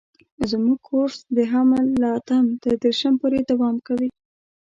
زموږ کورس د حمل له اتم تر دېرشم پورې دوام کوي.